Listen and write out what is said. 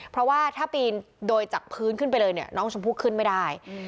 เพราะว่าถ้าปีนโดยจากพื้นขึ้นไปเลยเนี่ยน้องชมพู่ขึ้นไม่ได้